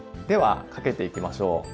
ではかけていきましょう。